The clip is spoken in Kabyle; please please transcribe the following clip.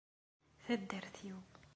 Taddart-iw.